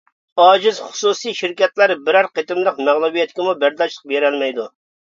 ئاجىز خۇسۇسىي شىركەتلەر بىرەر قېتىملىق مەغلۇبىيەتكىمۇ بەرداشلىق بېرەلمەيدۇ.